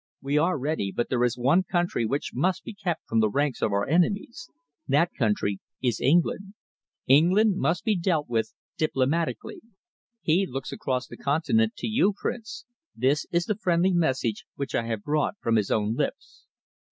We are ready, but there is one country which must be kept from the ranks of our enemies. That country is England. England must be dealt with diplomatically.' He looks across the continent to you, Prince. This is the friendly message which I have brought from his own lips."